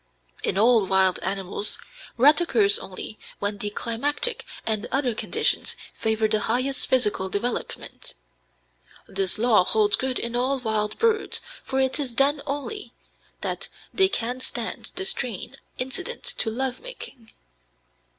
In all wild animals, rut occurs only when the climatic and other conditions favor the highest physical development. This law holds good in all wild birds, for it is then only that they can stand the strain incident to love making.